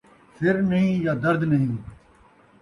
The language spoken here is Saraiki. سر نہیں یا درد نہیں